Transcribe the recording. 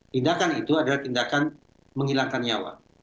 tindakan itu adalah tindakan menghilangkan nyawa